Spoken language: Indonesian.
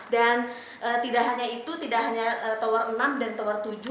dan tidak hanya itu tidak hanya tower enam dan tower tujuh